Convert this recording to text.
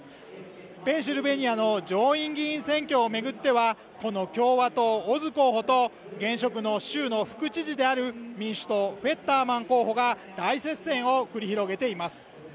ペンシルベニアの上院議員選挙をめぐってはこの共和党候補と現職の州の副知事である民主党候補が大接戦を繰り広げています